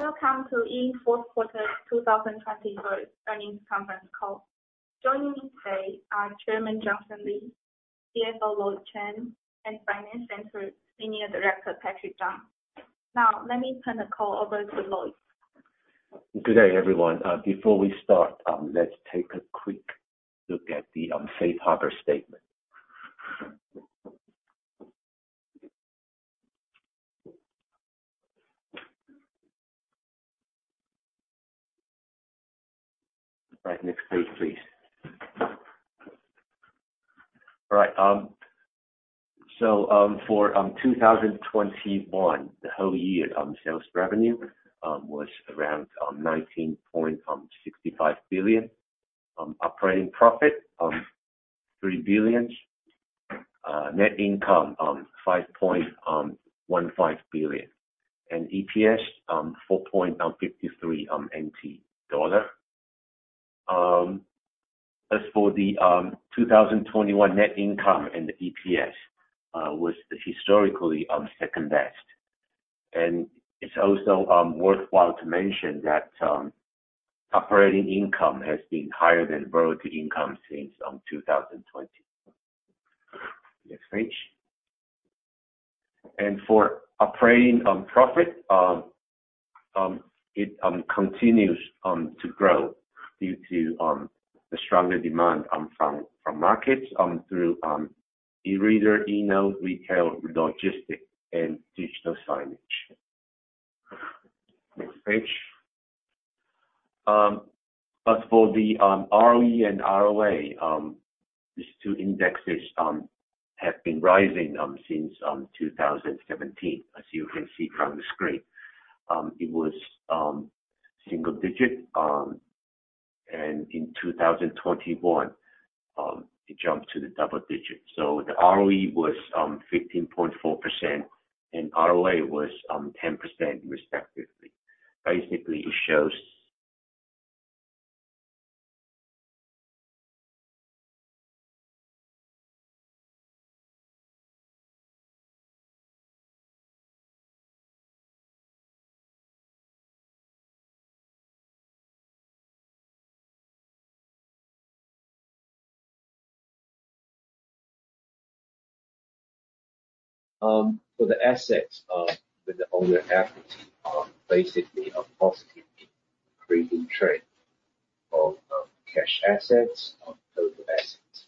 Welcome to E Ink fourth quarter 2020 earnings conference call. Joining me today are Chairman Johnson Lee, CFO Lloyd Chen, and Finance Center Senior Director Patrick Zhang. Now, let me turn the call over to Lloyd. Good day, everyone. Before we start, let's take a quick look at the safe harbor statement. All right, next page, please. All right, for 2021, the whole year, sales revenue was around 19.65 billion. Operating profit 3 billion. Net income 5.15 billion. EPS 4.53 dollar. As for the 2021 net income and EPS, was historically second best. It's also worthwhile to mention that operating income has been higher than growth income since 2020. Next page. For operating profit, it continues to grow due to the stronger demand from markets through e-reader, e-note, retail, logistic, and digital signage. Next page. As for the ROE and ROA, these two indexes have been rising since 2017, as you can see from the screen. It was single digit and in 2021, it jumped to the double digits. The ROE was 15.4% and ROA was 10% respectively. Basically, it shows for the assets with the owner equity are basically a positively increasing trend of cash assets, of total assets,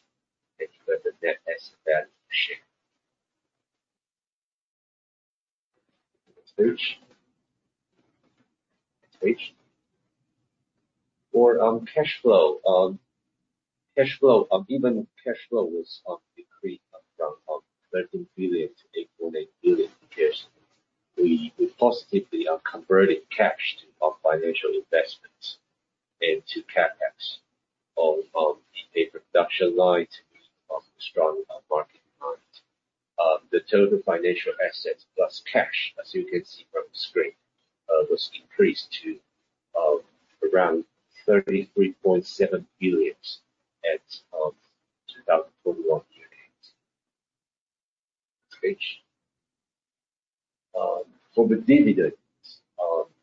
and further net asset value share. Next page. Next page. For cash flow, cash flow, even cash flow was decreased from 13 billion to 8.8 billion. Yes. We positively are converting cash to financial investments into CapEx of e-paper production line, of strong market demand. The total financial assets plus cash, as you can see from the screen, was increased to around 33.7 billion as of 2021 year-end. Next page. For the dividends,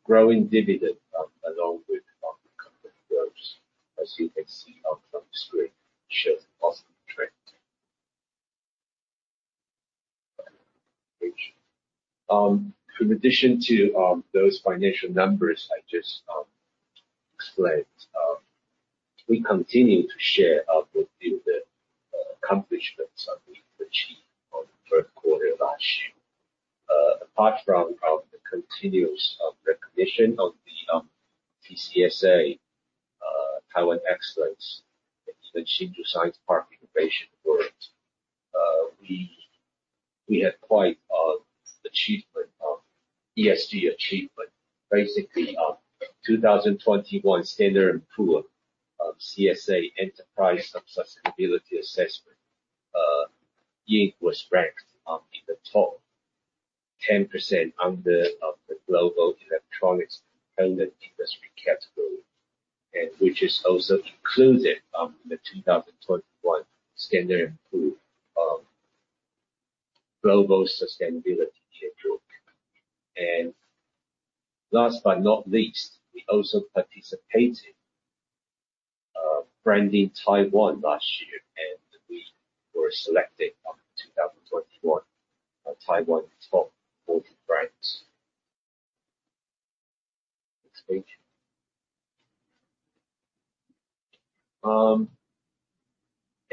growing dividend, along with the company growth, as you can see from the screen, shows positive trend. Next page. In addition to those financial numbers I just explained, we continue to share with you the accomplishments that we've achieved on the third quarter last year. Apart from the continuous recognition of the TCSA, Taiwan Excellence in the Hsinchu Science Park Innovation Awards, we had quite achievement of ESG achievement. Basically, 2021 S&P Global CSA, E Ink was ranked in the top 10% under the global electronics independent industry category, and which is also included in the 2021 S&P Global Sustainability Yearbook. Last but not least, we also participated branding Taiwan last year, and we were selected on the 2021 Taiwan top 40 brands. Next page.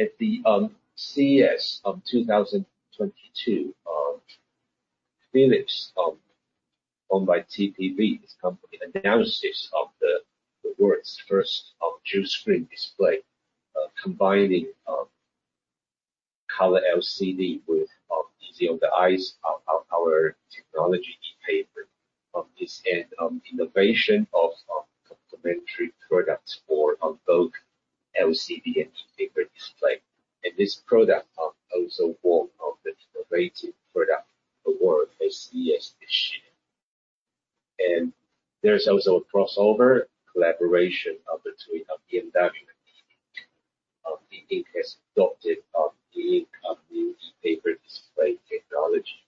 At the CES 2022, Philips owned by TPV company announced its the world's first dual screen display combining color LCD with easy on the eyes of our technology, ePaper. This and innovation of complementary products for both LCD and ePaper display. This product also won the innovative product award at CES this year. There's also a crossover collaboration of the two, where BMW has adopted E Ink's new ePaper display technology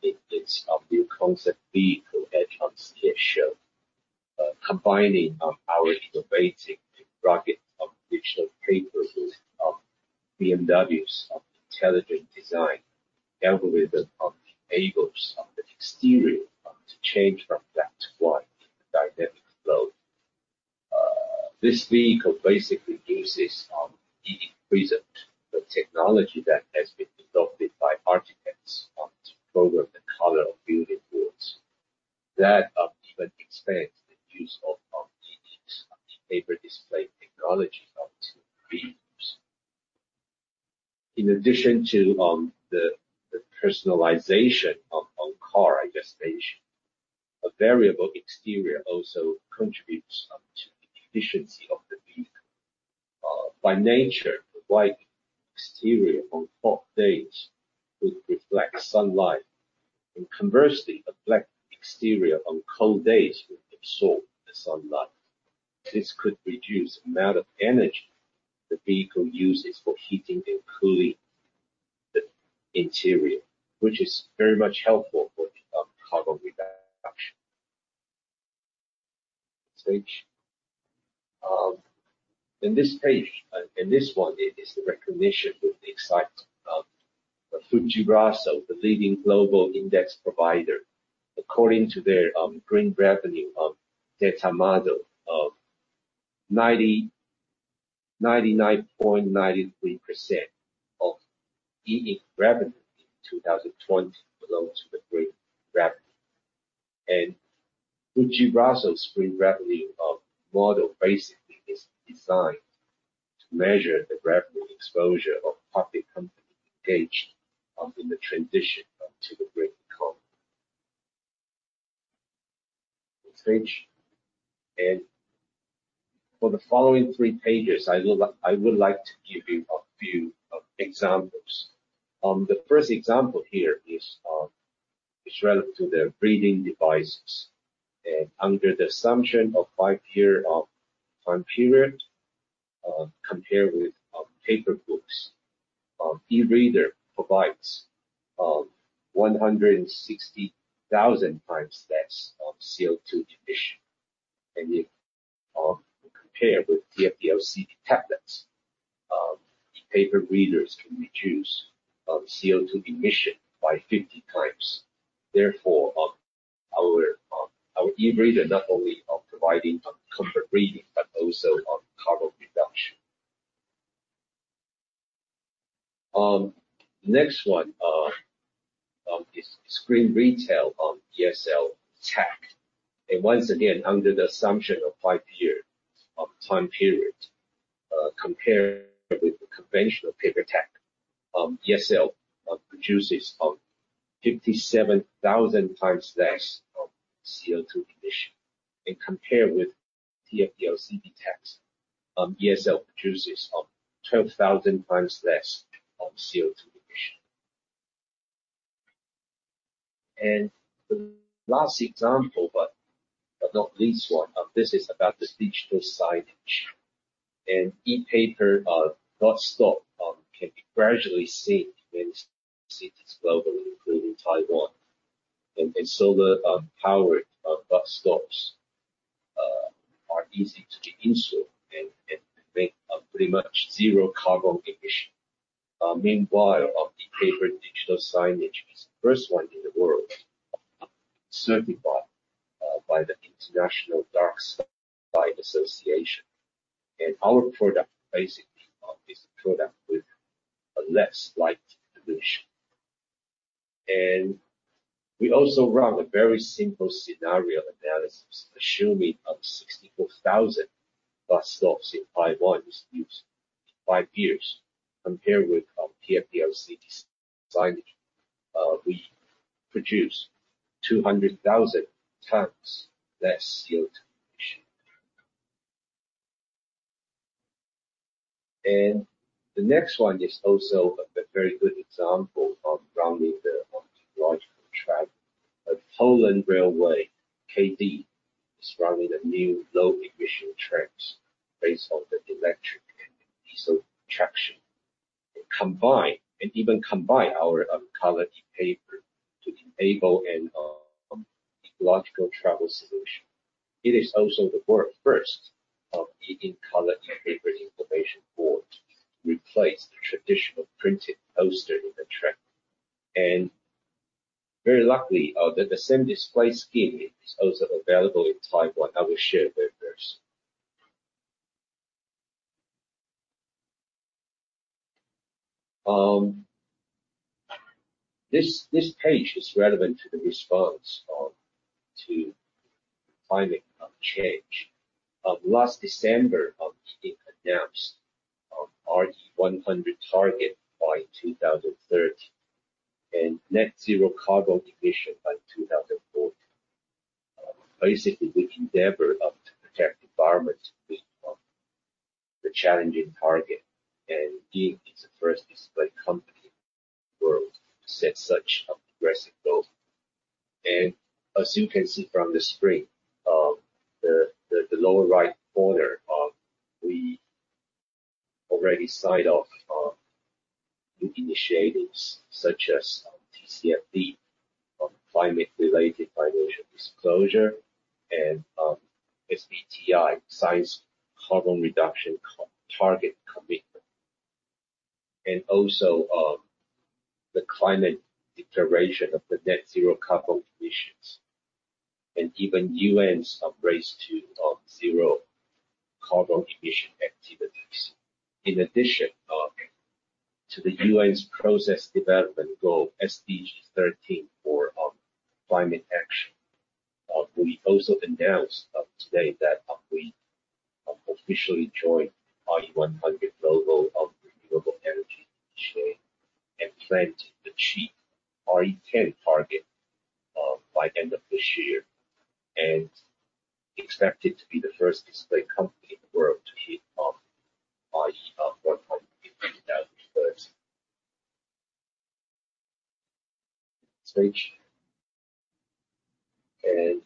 in its new concept vehicle at CES. Combining our innovative ePaper with BMW's innovative design algorithm enables the exterior to change from black to white in a dynamic mode. This vehicle basically uses E Ink Prism technology that has been adopted by architects to program the color of building walls. That even expands the use of E Ink's ePaper display technology into vehicles. In addition to the personalization of car exteriors, a variable exterior also contributes to the efficiency of the vehicle. By nature, the white exterior on hot days would reflect sunlight. Conversely, a black exterior on cold days would absorb the sunlight. This could reduce the amount of energy the vehicle uses for heating and cooling the interior, which is very much helpful for carbon reduction. Next page. In this one, it is the recognition with the excitement of the FTSE Russell, the leading global index provider. According to their green revenue data model of 99.93% of E Ink revenue in 2020 belongs to the green revenue. FTSE Russell's green revenue model basically is designed to measure the revenue exposure of public company engaged in the transition to the green economy. Next page. For the following three pages, I would like to give you a few examples. The first example here is relevant to the reading devices. Under the assumption of five-year time period, compared with paper books, eReader provides 160,000 times less of CO2 emission. If we compare with TFT LCD tablets, ePaper readers can reduce CO2 emission by 50 times. Therefore, our eReader not only providing comfort reading, but also carbon reduction. Next one is in-store retail ESL tag. Once again, under the assumption of five-year time period, compared with the conventional paper tag, ESL produces 57,000 times less of CO2 emission. Compared with TFT LCD tags, ESL produces 12,000 times less CO2 emission. The last example, but not least one, this is about this digital signage. An E Ink paper bus stop can be gradually seen in cities globally, including Taiwan. Solar powered bus stops are easy to be installed and make pretty much zero carbon emission. Meanwhile, E Ink paper digital signage is the first one in the world certified by the International Dark-Sky Association. Our product basically is a product with a less light pollution. We also run a very simple scenario analysis, assuming 64,000 bus stops in Taiwan is used for 5 years compared with TFT LCD signage. We produce 200,000 tons less CO2 emission. The next one is also a very good example of running the ecological track. A Polish railway KD is running new low emission trains based on the electric and diesel traction. And even combine our colored ePaper to enable an ecological travel solution. It is also the world's first E Ink colored ePaper information board to replace the traditional printed poster in the train. Very luckily, the same display scheme is also available in Taiwan. I will share with you first. This page is relevant to the response to climate change. Last December, E Ink announced RE100 target by 2030, and net zero carbon emission by 2040. Basically, we endeavor to protect environment with the challenging target. E Ink is the first to set such a progressive goal. As you can see from the screen, the lower right corner, we already signed off new initiatives such as TCFD of climate-related financial disclosure and SBTi science-based carbon reduction target commitment. Also, the climate declaration of the net zero carbon emissions. Even UN's Race to Zero carbon emission activities. In addition to the UN's sustainable development goal, SDG 13 for climate action. We also announced today that we officially joined RE100 global renewable energy initiative and plan to achieve RE100 target by end of this year. Expected to be the first display company in the world to hit RE100 by 2030. Next page.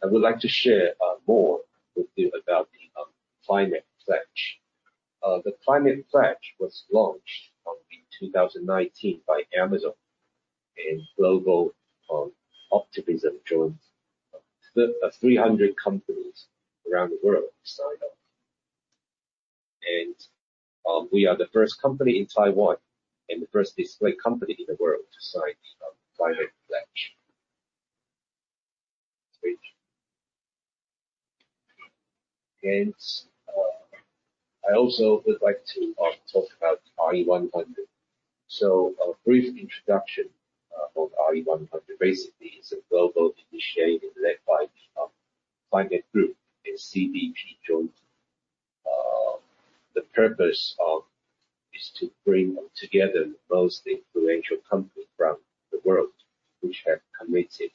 I would like to share more with you about the Climate Pledge. The Climate Pledge was launched in 2019 by Amazon and Global Optimism joined 300 companies around the world to sign up. We are the first company in Taiwan and the first display company in the world to sign the Climate Pledge. Next page. I also would like to talk about RE100. A brief introduction of RE100. Basically, it's a global initiative led by the Climate Group and CDP jointly. The purpose is to bring together the most influential companies around the world which have committed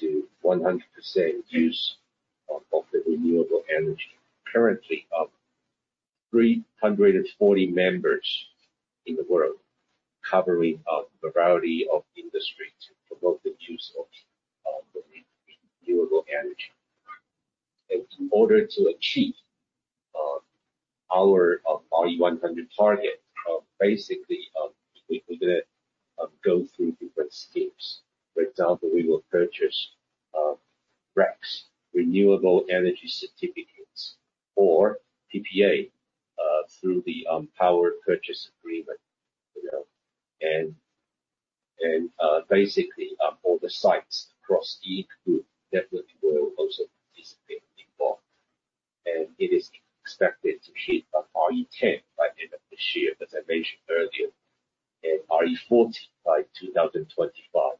to 100% use of the renewable energy. Currently, 340 members in the world covering variety of industry to promote the use of the renewable energy. In order to achieve our RE100 target, basically, we're gonna go through different steps. For example, we will purchase RECs, renewable energy certificates, or PPA through the power purchase agreement. You know, and basically, all the sites across E Ink group definitely will also participate involved. It is expected to hit the RE10 by end of this year, as I mentioned earlier, and RE40 by 2025,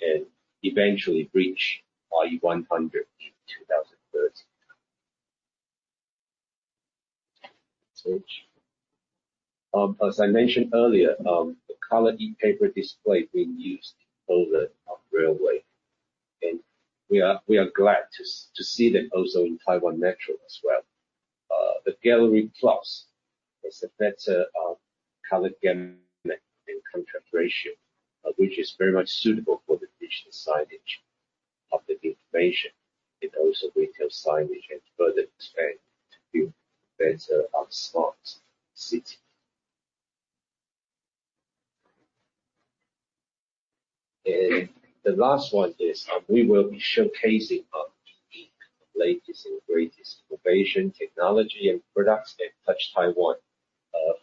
and eventually reach RE100 in 2030. Next page. As I mentioned earlier, the color ePaper display being used in Berlin Railway, and we are glad to see them also in Taipei Metro as well. The Gallery Plus has a better color gamut and contrast ratio, which is very much suitable for the digital signage of the information and also retail signage and further expand to build better smart city. The last one is we will be showcasing E Ink's latest and greatest innovation, technology and products at Touch Taiwan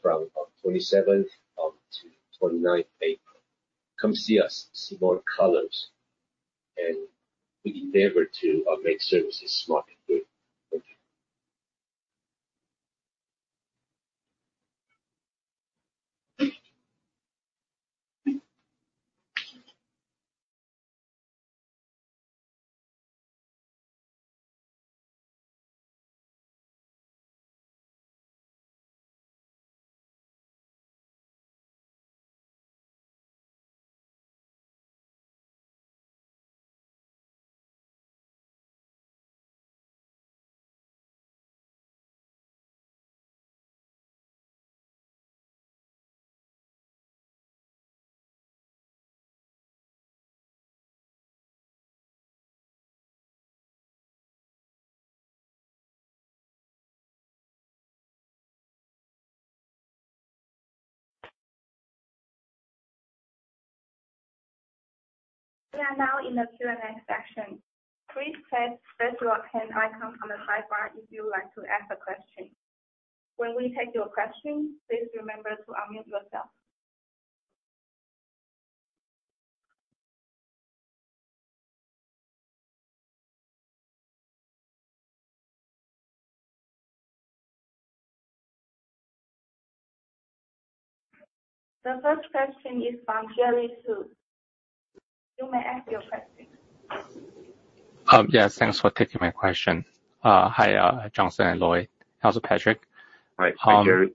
from 27th to 29th April. Come see us. See more colors. We endeavor to make services smarter. Thank you. We are now in the Q&A section. Please press raise your hand icon on the sidebar if you would like to ask a question. When we take your question, please remember to unmute yourself. The first question is from Jerry Su. You may ask your question. Yes, thanks for taking my question. Hi, Johnson and Lloyd. Also, Patrick. Right. Hi, Jerry.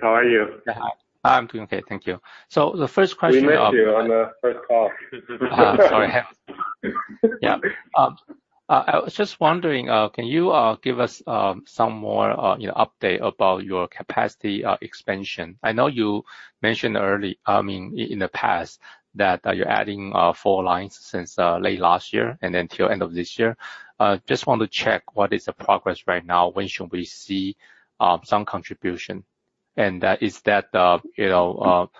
How are you? Yeah, hi. I'm doing okay. Thank you. The first question, We missed you on the first call. Sorry. Yeah. I was just wondering, can you give us some more, you know, update about your capacity expansion? I know you mentioned, I mean, in the past that you're adding 4 lines since late last year and then till end of this year. Just want to check what is the progress right now. When should we see some contribution? And, is that, you know,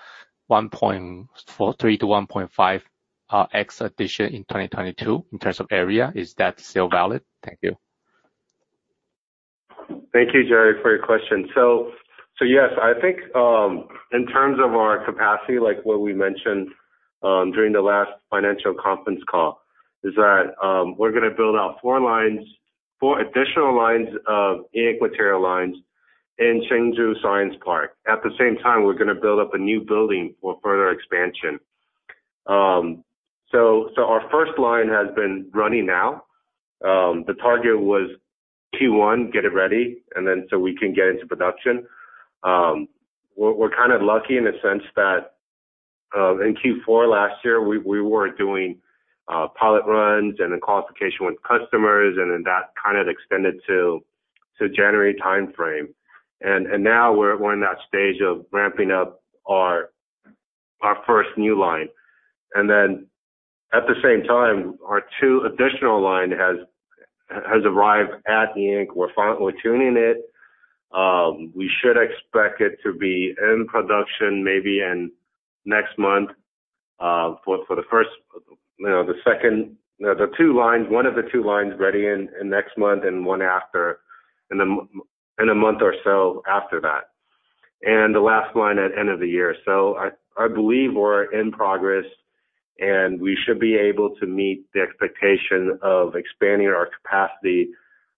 1.3-1.5x addition in 2022 in terms of area, is that still valid? Thank you. Thank you, Jerry, for your question. Yes, I think in terms of our capacity, like what we mentioned during the last financial conference call, is that we're gonna build out four additional lines of E Ink material lines in Hsinchu Science Park. At the same time, we're gonna build up a new building for further expansion. Our first line has been running now. The target was Q1 to get it ready so we can get into production. We're kind of lucky in a sense that in Q4 last year, we were doing pilot runs and then qualification with customers, and then that kind of extended to January timeframe. Now we're in that stage of ramping up our first new line. At the same time, our two additional line has arrived at E Ink. We're tuning it. We should expect it to be in production maybe in next month for the first, you know, the second. The two lines, one of the two lines ready in next month and one after, in a month or so after that. The last line at end of the year. I believe we're in progress, and we should be able to meet the expectation of expanding our capacity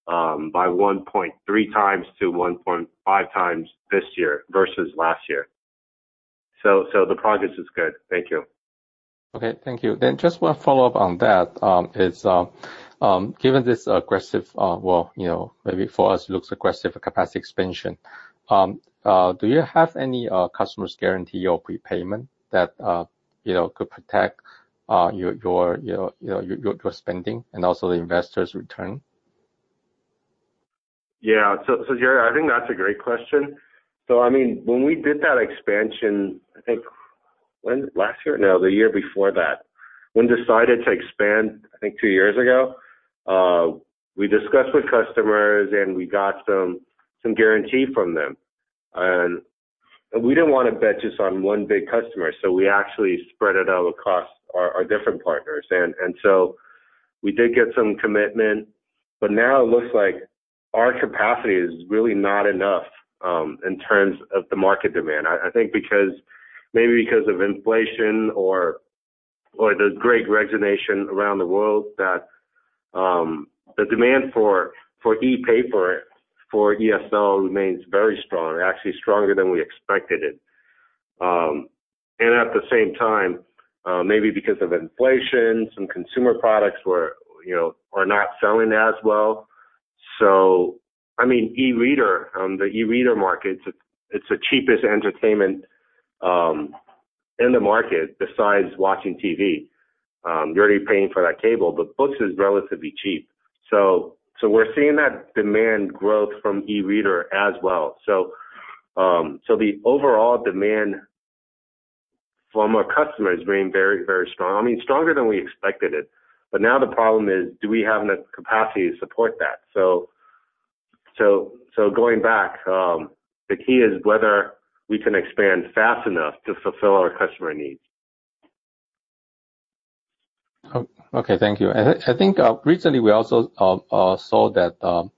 by 1.3 times-1.5 times this year versus last year. The progress is good. Thank you. Okay. Thank you. Just one follow-up on that, given this aggressive, well, you know, maybe for us looks aggressive capacity expansion, do you have any customer guarantees or prepayment that, you know, could protect your spending and also the investors' return? Jerry, I think that's a great question. I mean, when we did that expansion, I think two years ago, we discussed with customers, and we got some guarantee from them. We didn't wanna bet just on one big customer, so we actually spread it out across our different partners. We did get some commitment. Now it looks like our capacity is really not enough in terms of the market demand. I think because, maybe because of inflation or the great resignation around the world that the demand for e-paper, for ESL remains very strong, actually stronger than we expected it. At the same time, maybe because of inflation, some consumer products, you know, are not selling as well. I mean, the e-reader market, it's the cheapest entertainment in the market besides watching TV. You're already paying for that cable, but books is relatively cheap. We're seeing that demand growth from e-reader as well. The overall demand from our customers remain very, very strong. I mean, stronger than we expected it. Now the problem is. Do we have enough capacity to support that? Going back, the key is whether we can expand fast enough to fulfill our customer needs. Okay. Thank you. I think recently we also saw that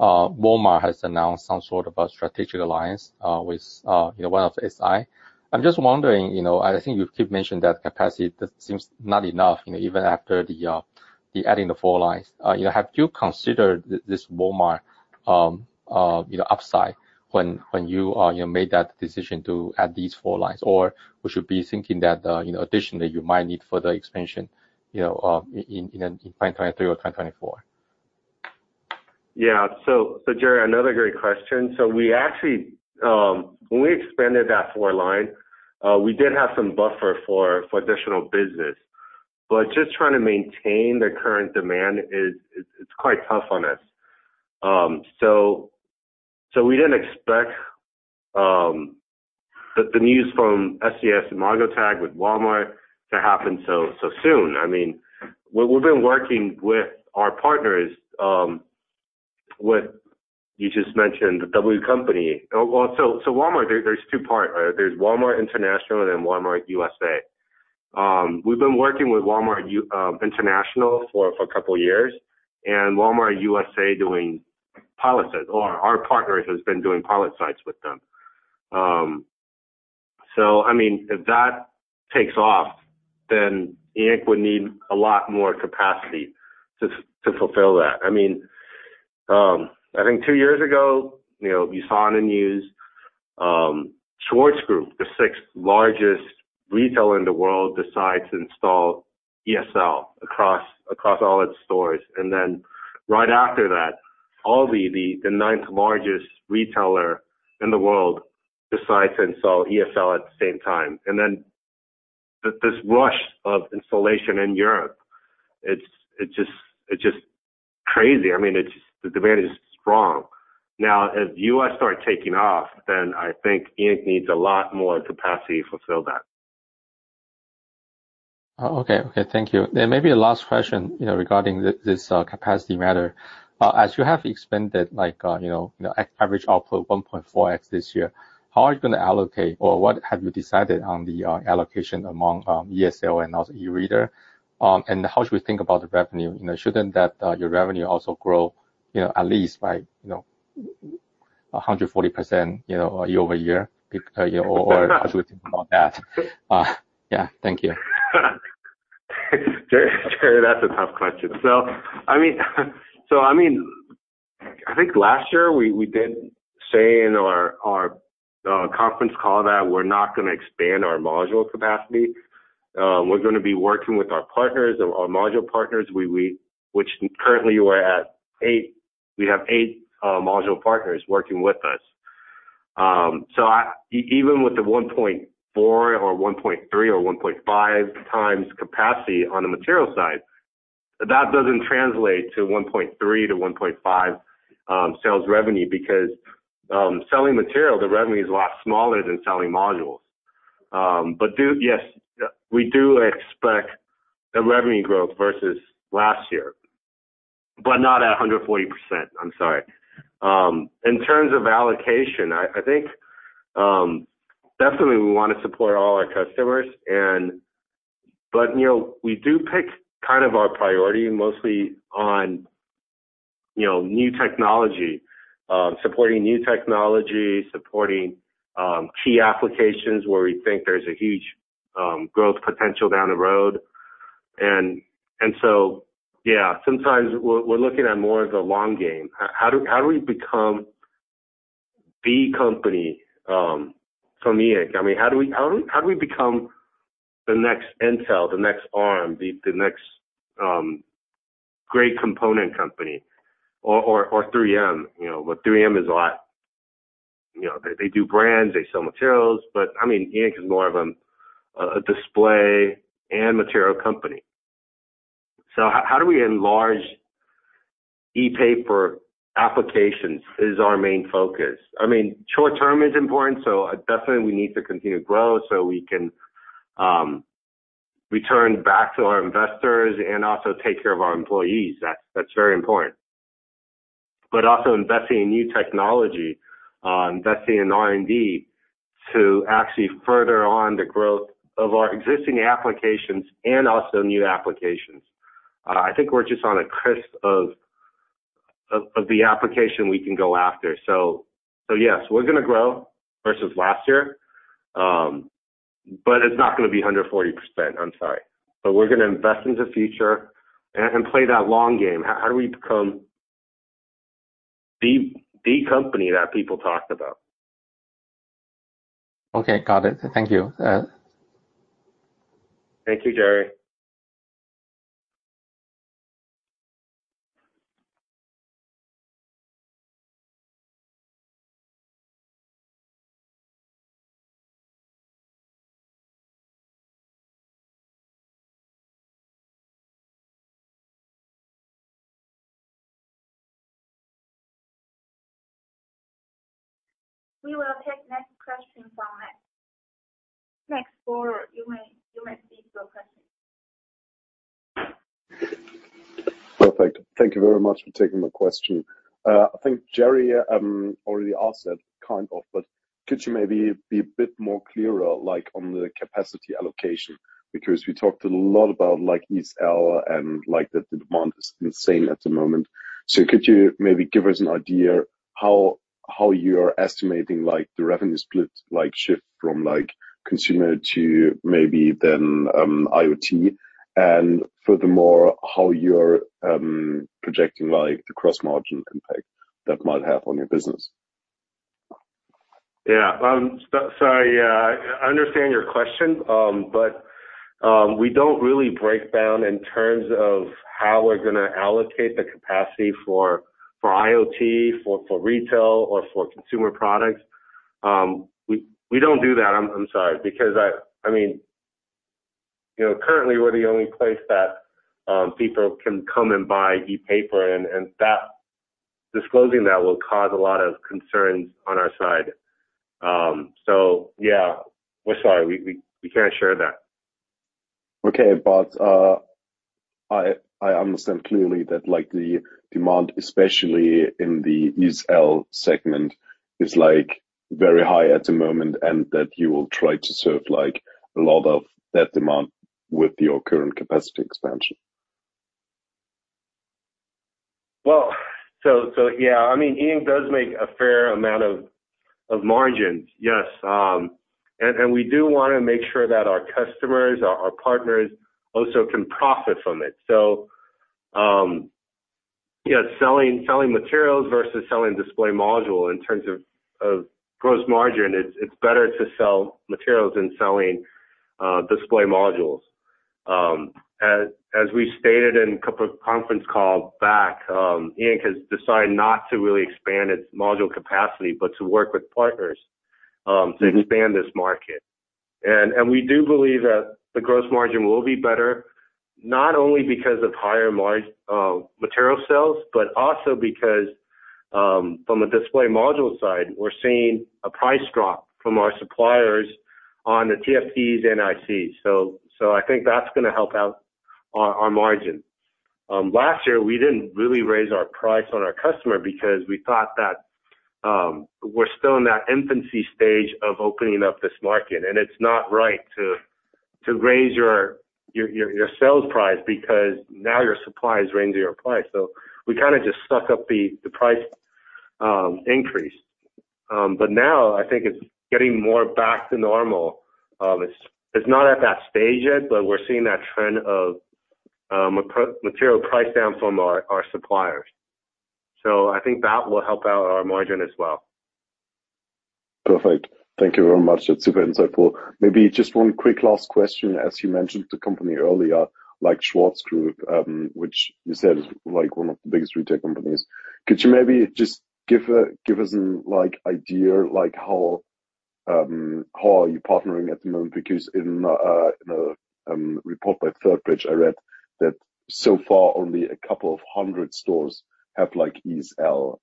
Walmart has announced some sort of a strategic alliance with SES-imagotag. I'm just wondering, you know, I think you keep mentioning that capacity that seems not enough, you know, even after the adding the four lines. You know, have you considered this Walmart upside when you made that decision to add these four lines? Or we should be thinking that, you know, additionally, you might need further expansion, you know, in 2023 or 2024. Yeah. Jerry, another great question. We actually. When we expanded that four line, we did have some buffer for additional business. Just trying to maintain the current demand is quite tough on us. We didn't expect the news from SES-imagotag with Walmart to happen so soon. I mean, we've been working with our partners with you just mentioned, the W company. Walmart, there's two part. There's Walmart International and then Walmart U.S. We've been working with Walmart International for a couple years, and Walmart U.S. doing pilot sites, or our partners has been doing pilot sites with them. I mean, if that takes off, then E Ink would need a lot more capacity to fulfill that. I mean, I think two years ago, you know, you saw in the news, Schwarz Group, the sixth largest retailer in the world, decide to install ESL across all its stores. Then right after that, Aldi, the ninth largest retailer in the world, decide to install ESL at the same time. Then this rush of installation in Europe, it's just crazy. I mean, the demand is strong. Now, as U.S. start taking off, then I think E Ink needs a lot more capacity to fulfill that. Oh, okay. Okay. Thank you. Maybe a last question, you know, regarding this capacity matter. As you have expanded, like, you know, average output 1.4x this year, how are you gonna allocate? Or what have you decided on the allocation among ESL and also eReader? And how should we think about the revenue? You know, shouldn't that your revenue also grow, you know, at least by 140% year-over-year? Or how should we think about that? Yeah. Thank you. Jerry, that's a tough question. I mean, I think last year we did say in our conference call that we're not gonna expand our module capacity. We're gonna be working with our partners, our module partners. We have eight module partners working with us. Even with the 1.4 or 1.3 or 1.5 times capacity on the material side, that doesn't translate to 1.3-1.5 sales revenue because selling material, the revenue is a lot smaller than selling modules. Yes, we do expect a revenue growth versus last year, but not at 140%. I'm sorry. In terms of allocation, I think definitely we wanna support all our customers. You know, we do pick kind of our priority mostly on, you know, new technology, supporting new technology, key applications where we think there's a huge growth potential down the road. Yeah, sometimes we're looking at more of the long game. How do we become the company from E Ink? I mean, how do we become the next Intel, the next Arm, the next great component company or 3M, you know? 3M is a lot. You know, they do brands, they sell materials, but I mean, E Ink is more of a display and material company. How do we enlarge ePaper applications is our main focus. I mean, short term is important, so definitely we need to continue to grow so we can return back to our investors and also take care of our employees. That's very important. But also investing in new technology, investing in R&D to actually further on the growth of our existing applications and also new applications. I think we're just on a cusp of the application we can go after. So yes, we're gonna grow versus last year, but it's not gonna be 140%. I'm sorry. But we're gonna invest in the future and play that long game. How do we become the company that people talked about? Okay. Got it. Thank you. Thank you, Jerry. We will take the next question from Max. Max Fuller, you may proceed to your question. Perfect. Thank you very much for taking my question. I think Jerry already asked that kind of, but could you maybe be a bit more clearer, like, on the capacity allocation? Because we talked a lot about, like, ESL and, like, that the demand is insane at the moment. Could you maybe give us an idea how you're estimating, like, the revenue split, like, shift from, like, consumer to maybe then, IoT? Furthermore, how you're projecting, like, the gross margin impact that might have on your business. Yeah. I understand your question. We don't really break down in terms of how we're gonna allocate the capacity for IoT, for retail or for consumer products. We don't do that, I'm sorry. Because I mean, you know, currently we're the only place that people can come and buy ePaper, and that disclosing that will cause a lot of concerns on our side. Yeah, we're sorry. We can't share that. Okay. I understand clearly that, like, the demand, especially in the ESL segment, is, like, very high at the moment and that you will try to serve, like, a lot of that demand with your current capacity expansion. I mean, E Ink does make a fair amount of margins. Yes. We do wanna make sure that our customers, our partners also can profit from it. You know, selling materials versus selling display module in terms of gross margin, it's better to sell materials than selling display modules. As we stated in a couple of conference calls back, E Ink has decided not to really expand its module capacity, but to work with partners.... to expand this market. We do believe that the gross margin will be better, not only because of higher material sales, but also because from a display module side, we're seeing a price drop from our suppliers on the TFTs and ICs. I think that's gonna help out our margin. Last year, we didn't really raise our price on our customer because we thought that we're still in that infancy stage of opening up this market, and it's not right to raise your sales price because now your suppliers raising your price. We kinda just suck up the price increase. Now I think it's getting more back to normal. It's not at that stage yet, but we're seeing that trend of material price down from our suppliers. I think that will help out our margin as well. Perfect. Thank you very much. That's super insightful. Maybe just one quick last question. As you mentioned the company earlier, like Schwarz Group, which you said is, like, one of the biggest retail companies. Could you maybe just give us an, like, idea, like how are you partnering at the moment? Because in a report by Third Bridge, I read that so far, only a couple of hundred stores have, like, ESL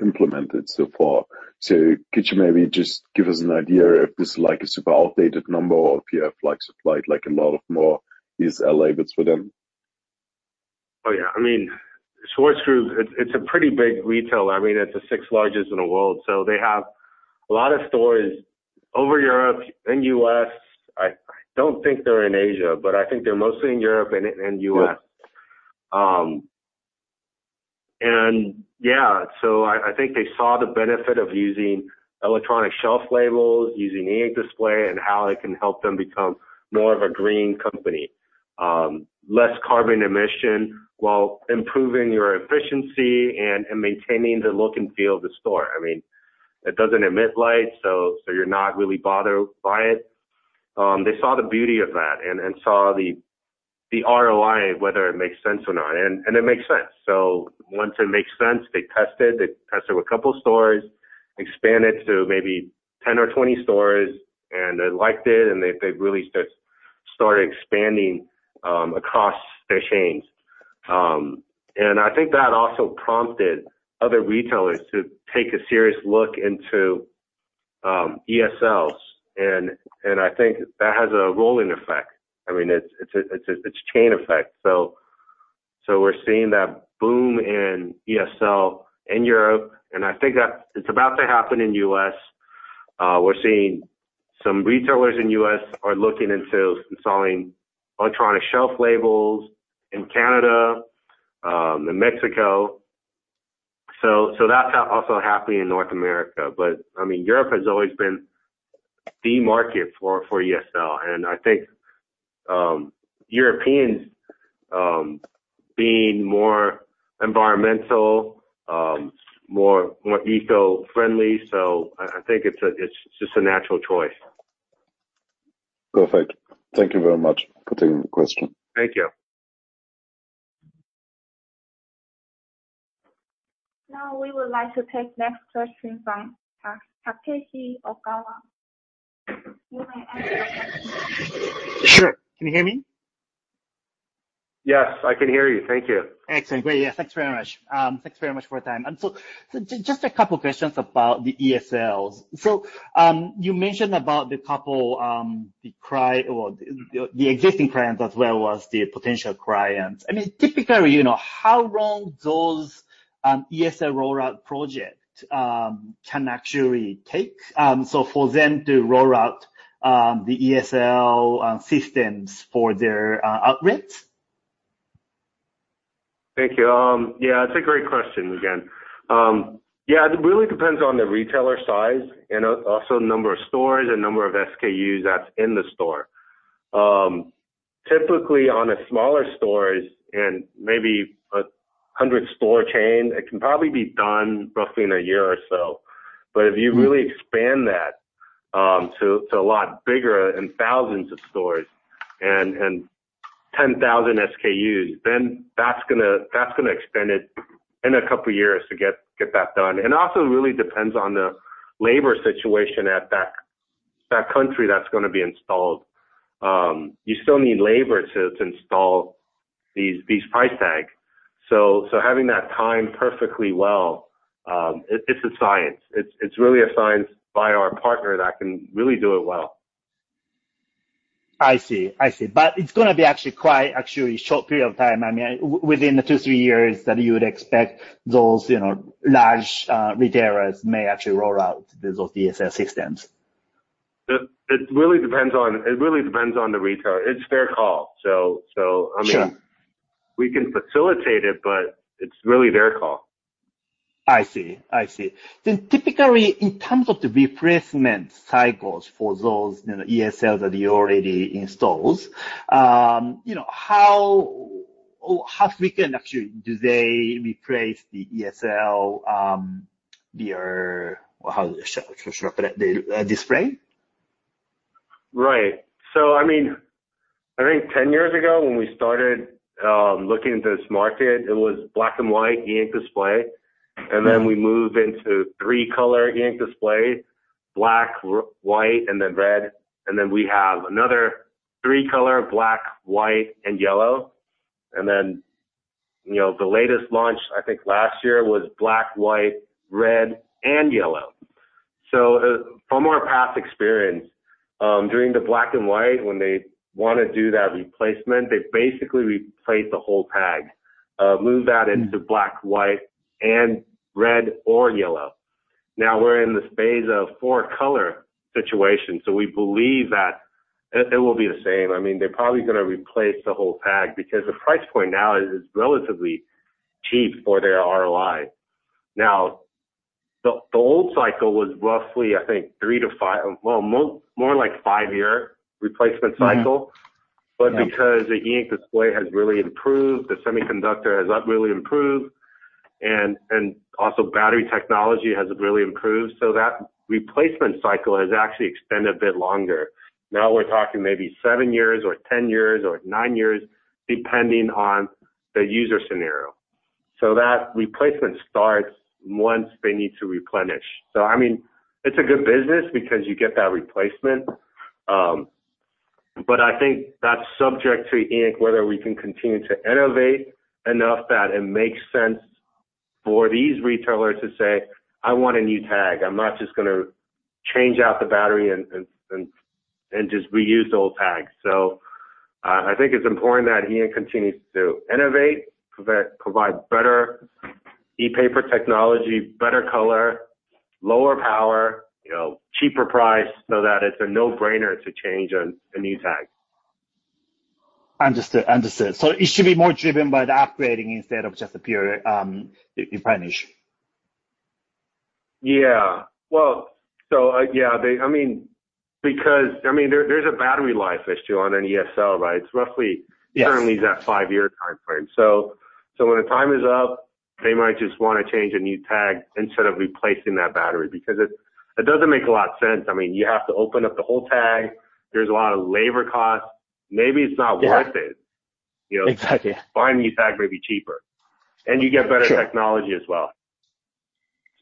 implemented so far. So could you maybe just give us an idea if this is like a super outdated number or if you have, like, supplied like a lot more ESL labels for them? Oh, yeah. I mean, Schwarz Group, it's a pretty big retailer. I mean, it's the sixth largest in the world, so they have a lot of stores over Europe and U.S. I don't think they're in Asia, but I think they're mostly in Europe and in U.S. Yeah. I think they saw the benefit of using electronic shelf labels, using E Ink display, and how it can help them become more of a green company, less carbon emission while improving your efficiency and maintaining the look and feel of the store. I mean, it doesn't emit light, so you're not really bothered by it. They saw the beauty of that and saw the ROI, whether it makes sense or not. It makes sense. Once it makes sense, they test it. They test it with a couple stores, expand it to maybe 10 or 20 stores, and they liked it. They've really just started expanding across their chains. I think that also prompted other retailers to take a serious look into ESLs. I think that has a rolling effect. I mean, it's a chain effect. We're seeing that boom in ESL in Europe, and I think that it's about to happen in U.S. We're seeing some retailers in U.S. are looking into installing electronic shelf labels in Canada, in Mexico. That's also happening in North America. I mean, Europe has always been the market for ESL, and I think Europeans being more environmental, more eco-friendly. I think it's just a natural choice. Perfect. Thank you very much for taking the question. Thank you. Now, we would like to take next question from Takeshi Ogawa. You may ask your question. Sure. Can you hear me? Yes, I can hear you. Thank you. Excellent. Great. Yeah, thanks very much. Thanks very much for your time. Just a couple questions about the ESLs. You mentioned about the existing clients as well as the potential clients. I mean, typically, you know, how long those ESL rollout project can actually take, so for them to roll out the ESL systems for their outlets? Thank you. It's a great question again. It really depends on the retailer size and also number of stores and number of SKUs that's in the store. Typically on a smaller stores and maybe a 100-store chain, it can probably be done roughly in a year or so. If you really expand that to a lot bigger and thousands of stores and 10,000 SKUs, then that's gonna extend it in a couple years to get that done. Also it really depends on the labor situation at that country that's gonna be installed. You still need labor to install these price tags. Having that timed perfectly well, it's a science. It's really a science by our partner that can really do it well. I see. It's gonna be actually quite short period of time. I mean, within the 2-3 years that you would expect those, you know, large retailers may actually roll out those ESL systems. It really depends on the retailer. It's their call. I mean. Sure. We can facilitate it, but it's really their call. I see. Typically, in terms of the replacement cycles for those, you know, ESL that you already installs, you know, how often do they replace the ESL, their, how should I put it? The display? Right. I mean, I think 10 years ago when we started looking into this market, it was black and white E Ink display. Then we moved into 3-color E Ink display, black, white, and then red. Then we have another 3-color, black, white, and yellow. Then, you know, the latest launch, I think last year, was black, white, red, and yellow. From our past experience, during the black and white, when they wanna do that replacement, they basically replace the whole tag, move that into black, white and red or yellow. Now we're in this phase of 4-color situation. We believe that it will be the same. I mean, they're probably gonna replace the whole tag because the price point now is relatively cheap for their ROI. Now, the old cycle was roughly, I think 3-5. Well, more like five-year replacement cycle. Yeah. Because the E Ink display has really improved, the semiconductor has really improved and also battery technology has really improved. That replacement cycle has actually extended a bit longer. Now we're talking maybe 7 years or 10 years or 9 years, depending on the user scenario. That replacement starts once they need to replenish. I mean, it's a good business because you get that replacement. I think that's subject to E Ink, whether we can continue to innovate enough that it makes sense for these retailers to say, "I want a new tag. I'm not just gonna change out the battery and just reuse the old tag." I think it's important that E Ink continues to innovate, provide better ePaper technology, better color, lower power, you know, cheaper price so that it's a no-brainer to change a new tag. Understood. It should be more driven by the upgrading instead of just a pure replenish. Yeah. Well, yeah, I mean, because, I mean, there's a battery life issue on an ESL, right? It's roughly Yes. Currently that five-year timeframe. When the time is up, they might just wanna change a new tag instead of replacing that battery because it doesn't make a lot of sense. I mean, you have to open up the whole tag. There's a lot of labor costs. Maybe it's not worth it. Yeah. Exactly. You know, buying a new tag may be cheaper. Sure. You get better technology as well.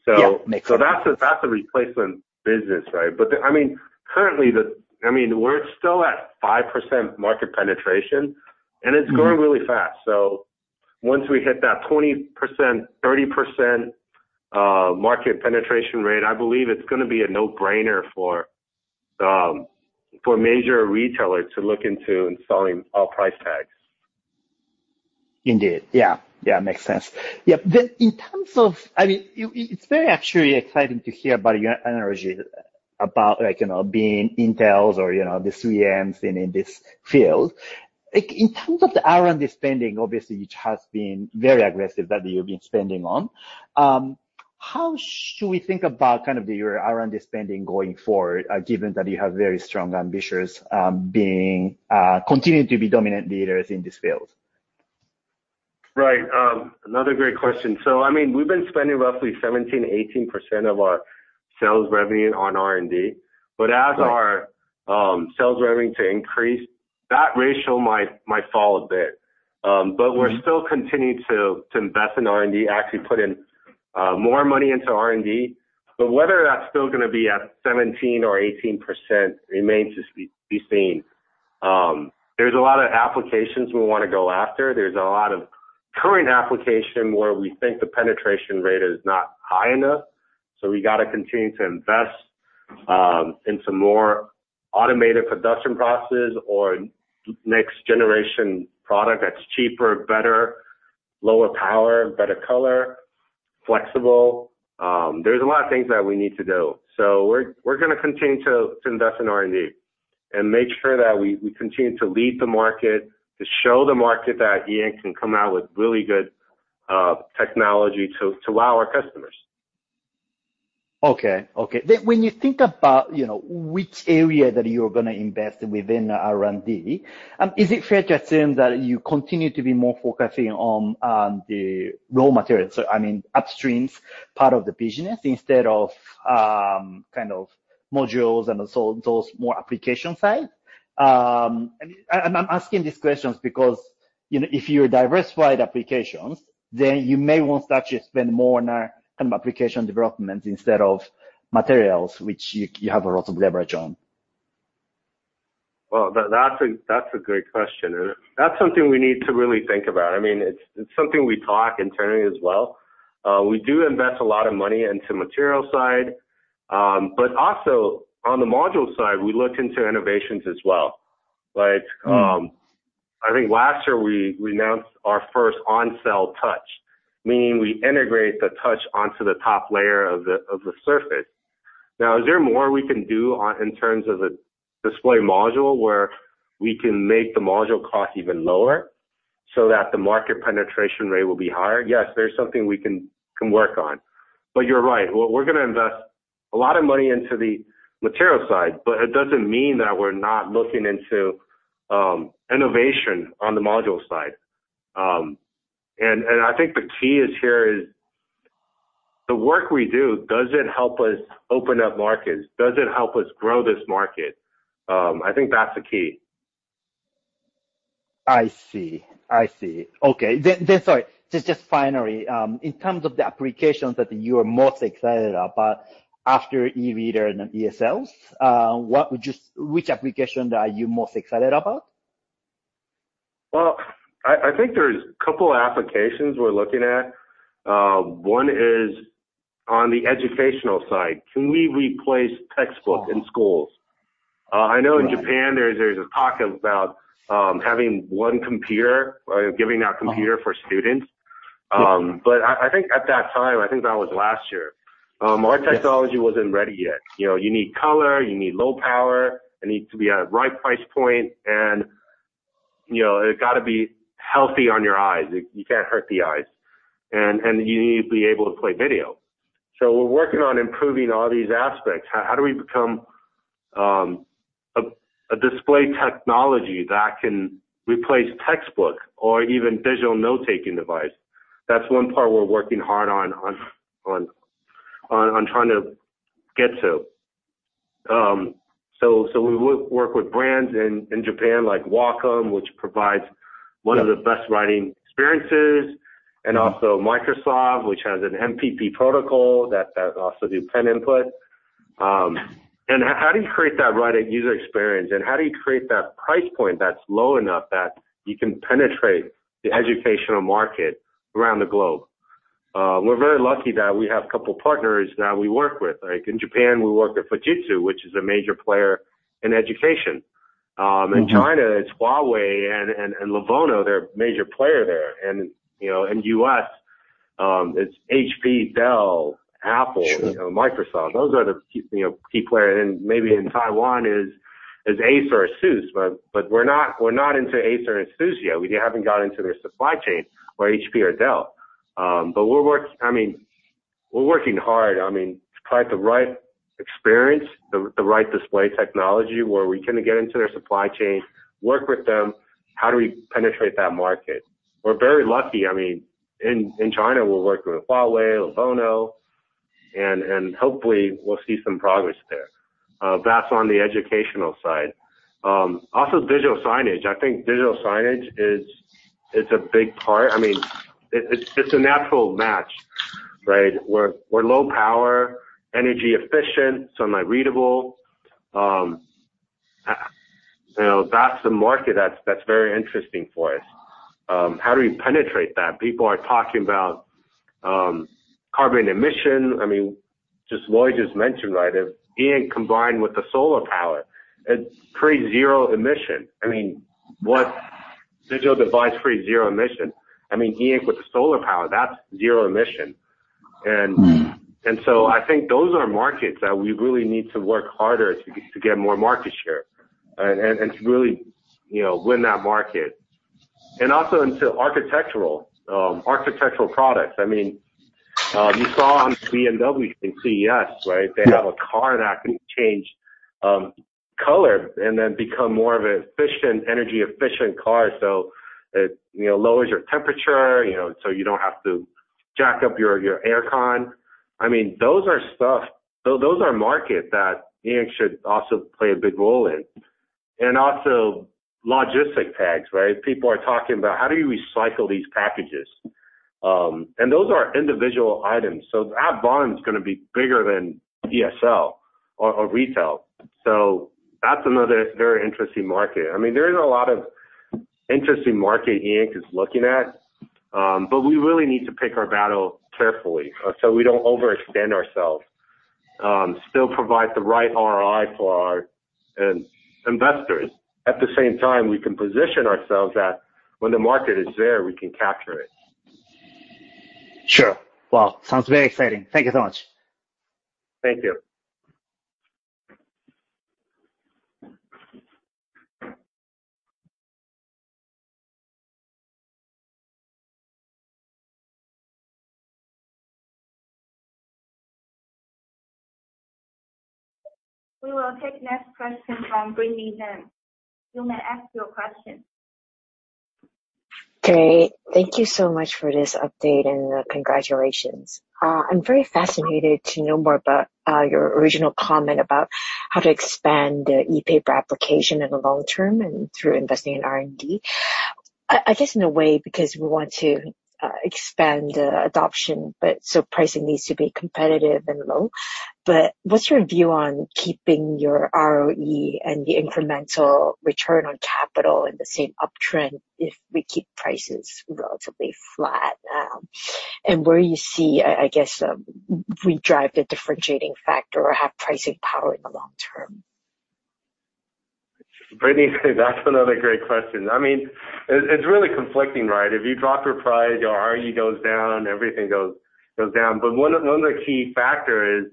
Yeah. Makes sense. That's a replacement business, right? Currently we're still at 5% market penetration, and it's growing really fast. Once we hit that 20%, 30% market penetration rate, I believe it's gonna be a no-brainer for major retailers to look into installing all price tags. Indeed. Yeah. Makes sense. Yeah. In terms of, I mean, it's very actually exciting to hear about your energy about like, you know, being Intel's or, you know, the 3M's in this field. Like, in terms of the R&D spending, obviously, which has been very aggressive that you've been spending on, how should we think about kind of your R&D spending going forward, given that you have very strong ambitions, being continuing to be dominant leaders in this field? Right. Another great question. I mean, we've been spending roughly 17%-18% of our sales revenue on R&D. Right. As our sales revenue to increase, that ratio might fall a bit. We're still continuing to invest in R&D, actually put in more money into R&D. Whether that's still gonna be at 17% or 18% remains to be seen. There's a lot of applications we wanna go after. There's a lot of current application where we think the penetration rate is not high enough, so we gotta continue to invest in some more automated production processes or next generation product that's cheaper, better, lower power, better color, flexible. There's a lot of things that we need to do. We're gonna continue to invest in R&D and make sure that we continue to lead the market, to show the market that E Ink can come out with really good technology to wow our customers. Okay. When you think about, you know, which area that you're gonna invest within R&D, is it fair to assume that you continue to be more focusing on the raw materials? I mean, upstreams part of the business instead of kind of modules and those more application side. I'm asking these questions because, you know, if you diversify the applications, then you may want to actually spend more on a kind of application development instead of materials which you have a lot of leverage on. Well, that's a great question. That's something we need to really think about. I mean, it's something we talk internally as well. We do invest a lot of money into material side, but also on the module side, we look into innovations as well. I think last year we announced our first On-Cell Touch, meaning we integrate the touch onto the top layer of the surface. Now, is there more we can do in terms of the display module, where we can make the module cost even lower so that the market penetration rate will be higher? Yes, there's something we can work on. You're right. We're gonna invest a lot of money into the material side, but it doesn't mean that we're not looking into innovation on the module side. I think the key here is the work we do, does it help us open up markets? Does it help us grow this market? I think that's the key. I see. Okay. Sorry. Just finally, in terms of the applications that you are most excited about after e-reader and ESLs, which application that you're most excited about? Well, I think there's a couple of applications we're looking at. One is on the educational side. Can we replace textbook in schools? I know in Japan there's a talk about having one computer or giving out computer for students. But I think at that time, I think that was last year, our technology wasn't ready yet. You know, you need color, you need low power, it needs to be at right price point and, you know, it gotta be healthy on your eyes. You can't hurt the eyes. And you need to be able to play video. So we're working on improving all these aspects. How do we become a display technology that can replace textbook or even digital note-taking device? That's one part we're working hard on trying to get to. So we work with brands in Japan like Wacom, which provides one of the best writing experiences, and also Microsoft, which has an MPP protocol that also do pen input. How do you create that right user experience? How do you create that price point that's low enough that you can penetrate the educational market around the globe? We're very lucky that we have a couple partners that we work with. Like in Japan, we work with Fujitsu, which is a major player in education. In China, it's Huawei and Lenovo, they're major player there. You know, in U.S., it's HP, Dell, Apple, you know, Microsoft. Those are the key player. Maybe in Taiwan is Acer, Asus, but we're not into Acer and Asus yet. We haven't got into their supply chain or HP or Dell. But we're working hard. I mean, to find the right experience, the right display technology where we can get into their supply chain, work with them, how do we penetrate that market? We're very lucky. I mean, in China, we're working with Huawei, Lenovo, and hopefully we'll see some progress there. That's on the educational side. Also digital signage. I think digital signage is a big part. I mean, it's a natural match, right? We're low power, energy efficient, somewhat readable. You know, that's the market that's very interesting for us. How do we penetrate that? People are talking about carbon emission. I mean, just Lloyd mentioned, right? If E Ink combined with the solar power, it creates zero emission. I mean, what digital device creates zero emission? I mean, E Ink with the solar power, that's zero emission. I think those are markets that we really need to work harder to get more market share and to really, you know, win that market. Also into architectural products. I mean, you saw the BMW at CES, right? Yeah. They have a car that can change color and then become more of an energy efficient car. It, you know, lowers your temperature, you know, so you don't have to jack up your air con. I mean, those are markets that E Ink should also play a big role in. Also logistic tags, right? People are talking about how do you recycle these packages? Those are individual items, so that volume is gonna be bigger than ESL or retail. That's another very interesting market. I mean, there is a lot of interesting markets E Ink is looking at, but we really need to pick our battle carefully, so we don't overextend ourselves, still provide the right ROI for our investors. At the same time, we can position ourselves that when the market is there, we can capture it. Sure. Well, sounds very exciting. Thank you so much. Thank you. We will take next question from Brittany Zen. You may ask your question. Great. Thank you so much for this update and, congratulations. I'm very fascinated to know more about your original comment about how to expand the e-paper application in the long term and through investing in R&D. I guess in a way, because we want to expand adoption, but so pricing needs to be competitive and low. But what's your view on keeping your ROE and the incremental return on capital in the same uptrend if we keep prices relatively flat now? Where you see, I guess, we drive the differentiating factor or have pricing power in the long term. Brittany, that's another great question. I mean, it's really conflicting, right? If you drop your price, your ROE goes down, everything goes down. One of the key factor is,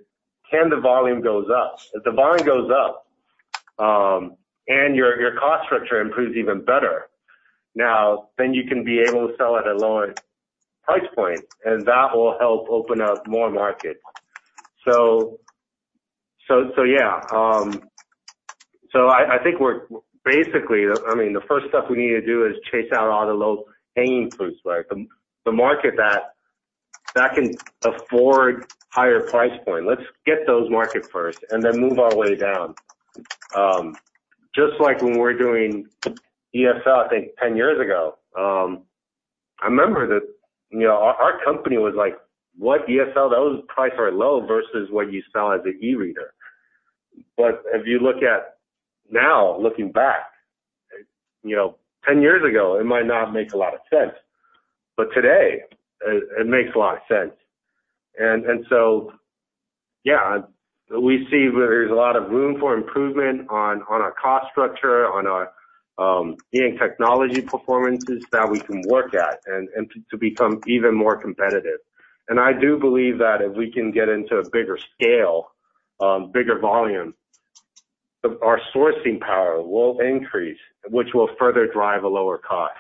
can the volume goes up? If the volume goes up, and your cost structure improves even better. Now, then you can be able to sell at a lower price point, and that will help open up more markets. So yeah. I think we're basically I mean, the first step we need to do is chase out all the low-hanging fruits, right? The market that can afford higher price point. Let's get those market first and then move our way down. Just like when we were doing ESL, I think 10 years ago, I remember that, you know, our company was like, "What? ESL, those prices are low versus what you sell as an e-reader." If you look at now, looking back, you know, 10 years ago, it might not make a lot of sense, but today it makes a lot of sense. So yeah, we see there's a lot of room for improvement on our cost structure, on our E Ink technology performances that we can work at and to become even more competitive. I do believe that if we can get into a bigger scale, bigger volume, our sourcing power will increase, which will further drive a lower cost.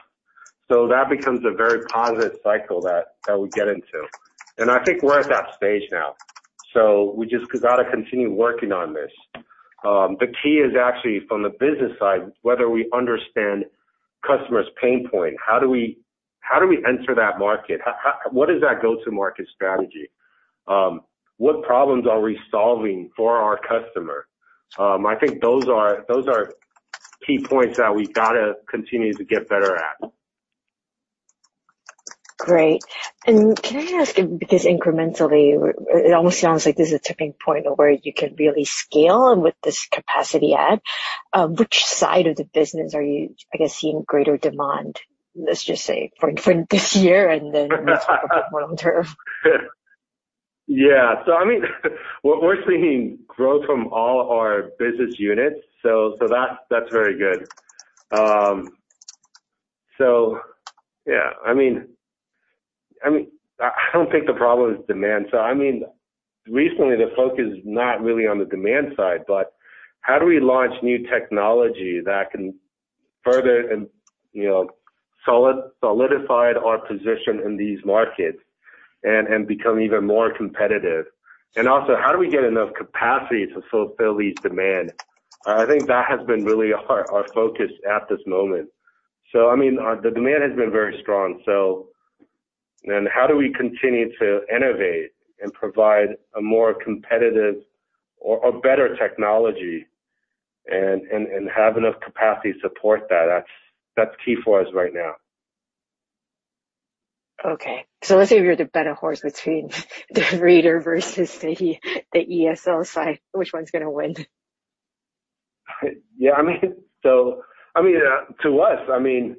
That becomes a very positive cycle that we get into. I think we're at that stage now. We just gotta continue working on this. The key is actually from the business side, whether we understand customers' pain point. How do we enter that market? What is our go-to market strategy? What problems are we solving for our customer? I think those are key points that we've got to continue to get better at. Great. Can I ask, because incrementally, it almost sounds like this is a tipping point of where you can really scale and with this capacity add, which side of the business are you, I guess, seeing greater demand, let's just say, for this year and then let's talk about long term? Yeah. I mean, we're seeing growth from all our business units. That's very good. I mean, I don't think the problem is demand. Recently, the focus is not really on the demand side, but how do we launch new technology that can further and, you know, solidify our position in these markets and become even more competitive? Also, how do we get enough capacity to fulfill these demand? I think that has been really our focus at this moment. I mean, the demand has been very strong. Then how do we continue to innovate and provide a more competitive or better technology and have enough capacity to support that? That's key for us right now. Okay. Let's say if you're to bet on a horse between the reader versus the ESL side, which one's gonna win? Yeah, I mean, to us, I mean,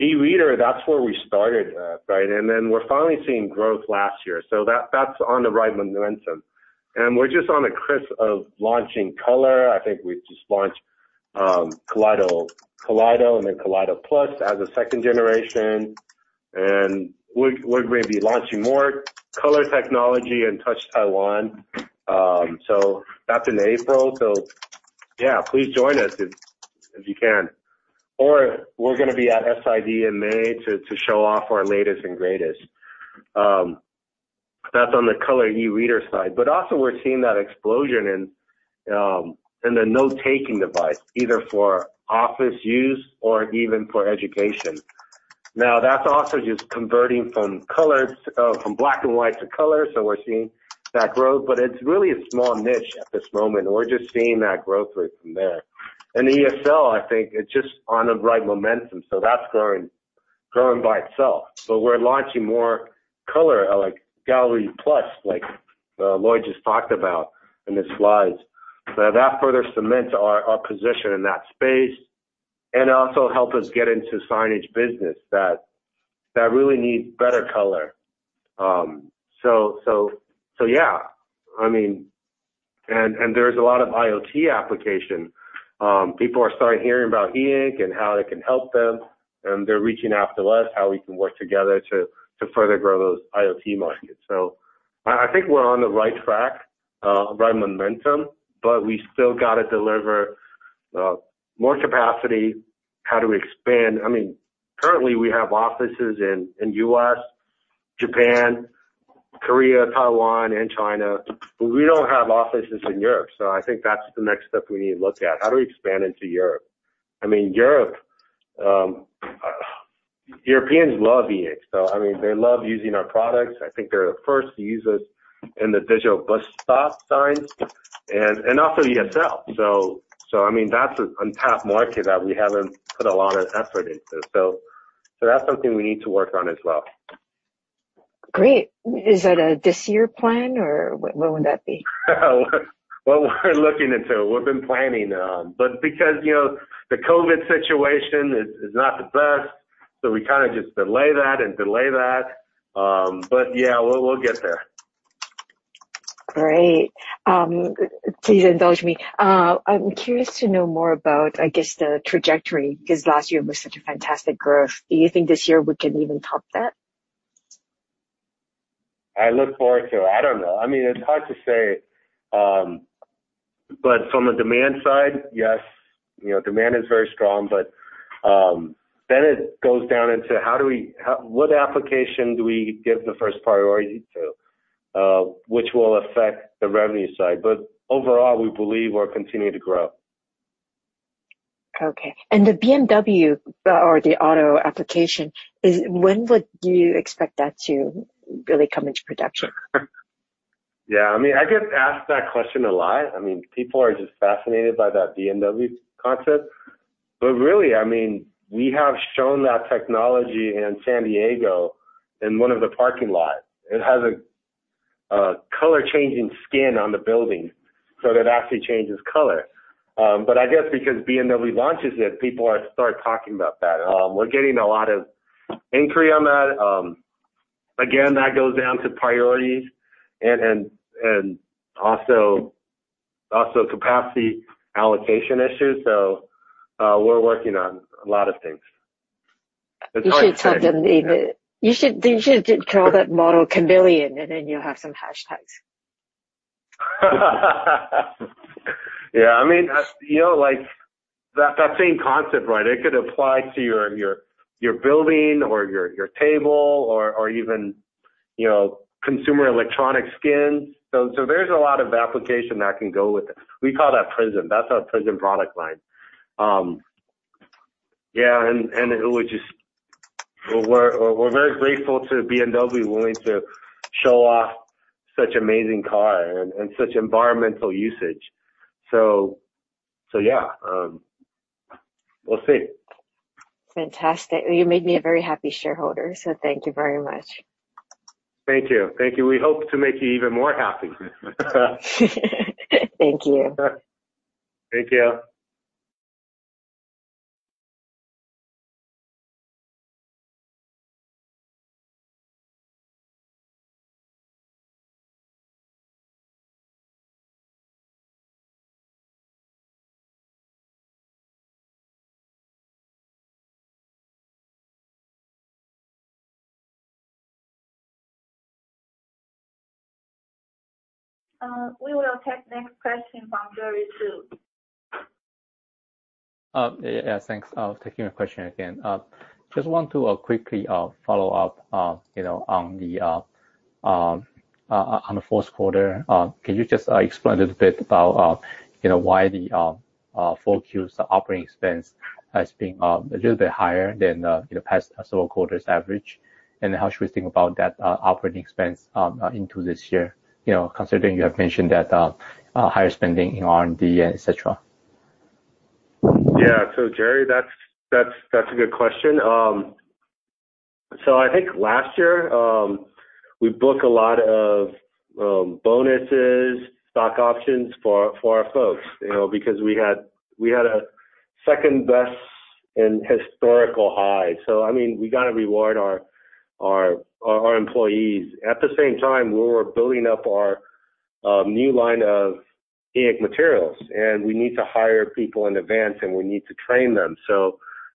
e-reader, that's where we started at, right? Then we're finally seeing growth last year. That's on the right momentum. We're just on the cusp of launching color. I think we just launched Kaleido and then Kaleido Plus as a second generation. We're gonna be launching more color technology in Touch Taiwan. That's in April. Yeah, please join us if you can. We're gonna be at SID in May to show off our latest and greatest. That's on the color e-reader side. Also we're seeing that explosion in the note-taking device, either for office use or even for education. That's also just converting from black and white to color, so we're seeing that growth. It's really a small niche at this moment, and we're just seeing that growth rate from there. ESL, I think it's just on the right momentum, so that's growing by itself. We're launching more color, like Gallery Plus, like, Lloyd just talked about in the slides. That further cements our position in that space and also helps us get into signage business that really needs better color. There's a lot of IoT applications. People are starting to hear about E Ink and how it can help them, and they're reaching out to us, how we can work together to further grow those IoT markets. I think we're on the right track, right momentum, but we still got to deliver more capacity. How do we expand? I mean, currently, we have offices in U.S., Japan, Korea, Taiwan, and China, but we don't have offices in Europe. I think that's the next step we need to look at. How do we expand into Europe? I mean, Europe, Europeans love E Ink. I mean, they love using our products. I think they're the first to use us in the digital bus stop signs and also ESL. I mean, that's an untapped market that we haven't put a lot of effort into. That's something we need to work on as well. Great. Is that a this year plan or when would that be? Well, we're looking into it. We've been planning on because, you know, the COVID situation is not the best, so we kinda just delay that. Yeah, we'll get there. Great. Please indulge me. I'm curious to know more about, I guess, the trajectory, because last year was such a fantastic growth. Do you think this year we can even top that? I look forward to it. I don't know. I mean, it's hard to say. From a demand side, yes, you know, demand is very strong. Then it goes down into what application do we give the first priority to, which will affect the revenue side. Overall, we believe we're continuing to grow. Okay. The BMW or the auto application, when would you expect that to really come into production? Yeah. I mean, I get asked that question a lot. I mean, people are just fascinated by that BMW concept. Really, I mean, we have shown that technology in San Diego in one of the parking lots. It has a color-changing skin on the building, so that it actually changes color. I guess because BMW launched it, people are starting to talk about that. We're getting a lot of inquiry on that. Again, that goes down to priorities and also capacity allocation issues. We're working on a lot of things. It's hard to- You should call it Model Chameleon, and then you'll have some hashtags. Yeah. I mean, you know, like, that same concept, right, it could apply to your building or your table or even, you know, consumer electronic skins. There's a lot of application that can go with it. We call that Prism. That's our Prism product line. Yeah, and we're very grateful to BMW willing to show off such amazing car and such environmental usage. Yeah, we'll see. Fantastic. You made me a very happy shareholder, so thank you very much. Thank you. We hope to make you even more happy. Thank you. Thank you. We will take next question from Jerry Su. Yeah, thanks. Taking the question again. Just want to quickly follow up, you know, on the fourth quarter. Can you just explain a little bit about, you know, why the 4Q's operating expense has been a little bit higher than the past several quarters' average? How should we think about that operating expense into this year, you know, considering you have mentioned that higher spending in R&D, et cetera? Jerry, that's a good question. I think last year, we booked a lot of bonuses, stock options for our folks, you know, because we had a second-best and historical high. I mean, we gotta reward our employees. At the same time, we were building up our new line of E Ink materials, and we need to hire people in advance, and we need to train them.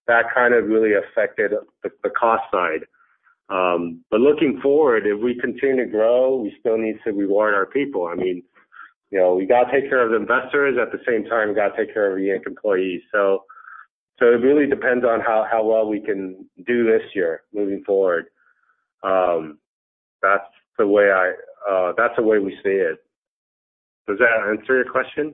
That kind of really affected the cost side. Looking forward, if we continue to grow, we still need to reward our people. I mean, you know, we gotta take care of the investors. At the same time, we gotta take care of E Ink employees. It really depends on how well we can do this year moving forward. That's the way we see it. Does that answer your question,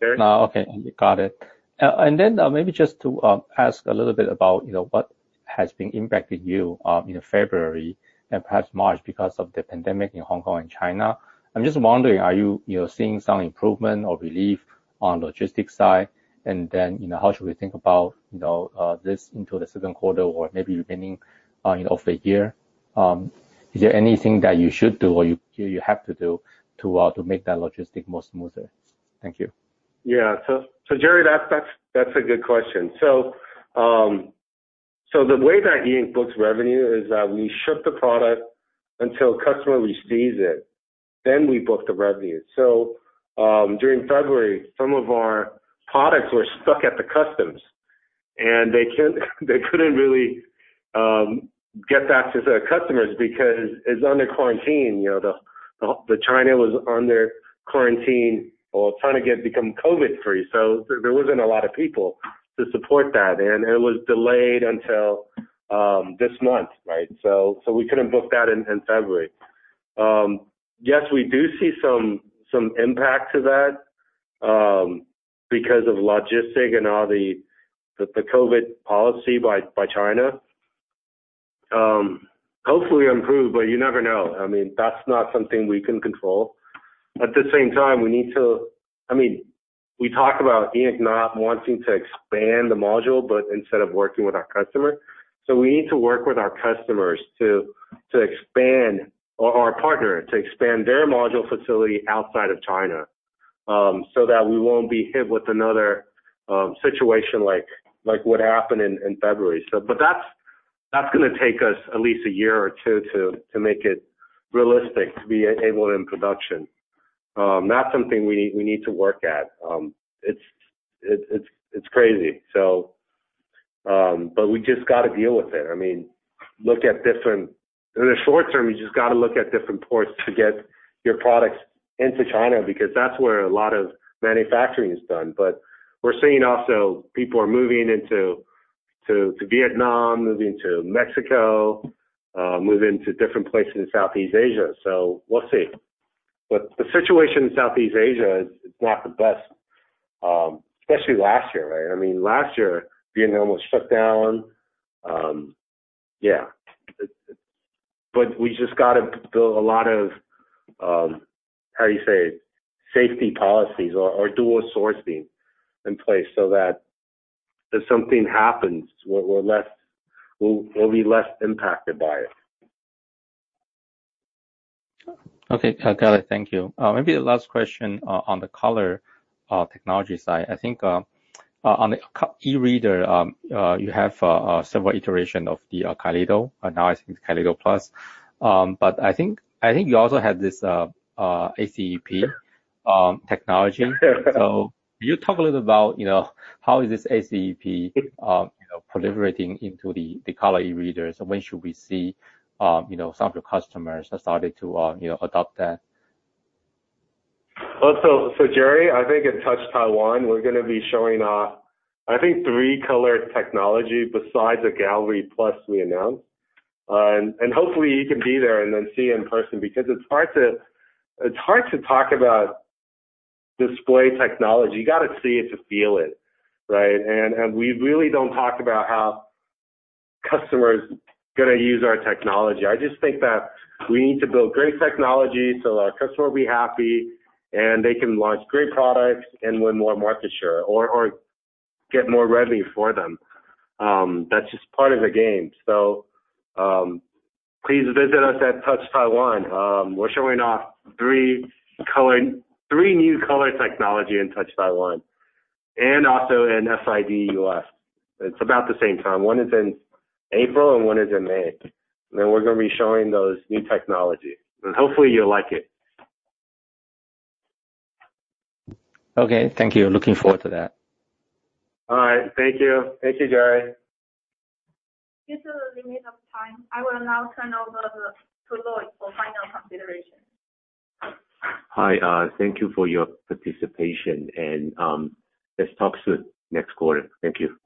Jerry? No. Okay. Got it. Then, maybe just to ask a little bit about, you know, what has been impacting you in February and perhaps March because of the pandemic in Hong Kong and China. I'm just wondering, are you know, seeing some improvement or relief on logistics side? You know, how should we think about, you know, this into the second quarter or maybe beginning, you know, of the year? Is there anything that you should do or you have to do to make that logistics more smoother? Thank you. Jerry, that's a good question. The way that E Ink books revenue is that we ship the product until customer receives it, then we book the revenue. During February, some of our products were stuck at the customs, and they couldn't really get back to their customers because it's under quarantine. You know, China was under quarantine or trying to get become COVID-free. There wasn't a lot of people to support that, and it was delayed until this month, right? We couldn't book that in February. Yes, we do see some impact to that because of logistic and all the COVID policy by China. Hopefully improve, but you never know. I mean, that's not something we can control. I mean, we talk about E Ink not wanting to expand the module, but instead of working with our customer. We need to work with our customers to expand or our partner to expand their module facility outside of China, so that we won't be hit with another situation like what happened in February. That's gonna take us at least a year or two to make it realistic to be able in production. That's something we need to work at. It's crazy. We just gotta deal with it. I mean, in the short term, you just gotta look at different ports to get your products into China because that's where a lot of manufacturing is done. We're seeing also people are moving into to Vietnam, moving to Mexico, moving to different places in Southeast Asia. We'll see. The situation in Southeast Asia is not the best, especially last year, right? I mean, last year, Vietnam was shut down. We just got to build a lot of, how you say it, safety policies or dual sourcing in place so that if something happens, we'll be less impacted by it. Okay. Got it. Thank you. Maybe the last question on the color technology side. I think on the e-reader you have several iteration of the Kaleido, now I think it's Kaleido Plus. I think you also have this ACEP technology. Can you talk a little about, you know, how is this ACEP, you know, proliferating into the color e-readers? When should we see, you know, some of your customers have started to, you know, adopt that? Well, Jerry, I think at Touch Taiwan, we're gonna be showing I think three color technology besides the Gallery Plus we announced. Hopefully you can be there and then see in person because it's hard to talk about display technology. You gotta see it to feel it, right? We really don't talk about how customers gonna use our technology. I just think that we need to build great technology so our customer will be happy, and they can launch great products and win more market share or get more revenue for them. That's just part of the game. Please visit us at Touch Taiwan. We're showing off three new color technology in Touch Taiwan and also in SID U.S. It's about the same time. One is in April and one is in May. We're gonna be showing those new technology. Hopefully you'll like it. Okay. Thank you. Looking forward to that. All right. Thank you. Thank you, Jerry. Due to the limit of time, I will now turn over to Lloyd for final considerations. Hi. Thank you for your participation, and let's talk soon next quarter. Thank you.